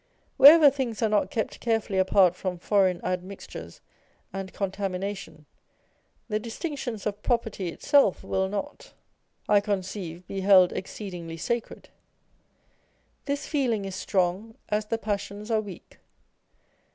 Wherever things are not kept carefully apart from foreign admixtures and contamina tion, the distinctions of property itself will not, I con 248 Hot and Cold. ceive, bo held exceedingly sacred. This feeling is strong as the passions are weak.